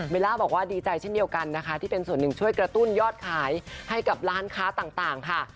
ล่าบอกว่าดีใจเช่นเดียวกันนะคะที่เป็นส่วนหนึ่งช่วยกระตุ้นยอดขายให้กับร้านค้าต่างค่ะ